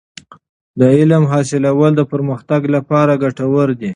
د علم حاصلول د پرمختګ لپاره ګټور دی.